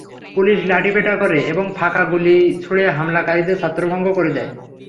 Police লাঠিপেটা করে এবং ফাঁকা গুলি ছুড়ে হামলাকারীদের ছত্রভঙ্গ করে দেয়।